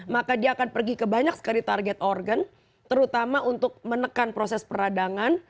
maka dia akan pergi ke banyak sekali target organ terutama untuk menekan proses peradangan